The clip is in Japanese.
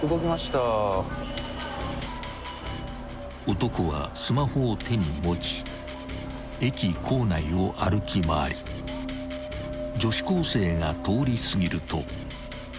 ［男はスマホを手に持ち駅構内を歩き回り女子高生が通り過ぎると］